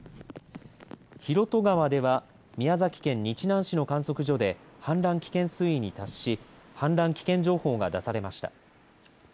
広渡川では宮崎県日南市の観測所で氾濫危険水位に達し氾濫危険情報が出されました。